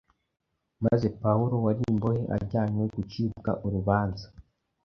maze Pawulo wari imbohe ajyanwe gucirwa urubanza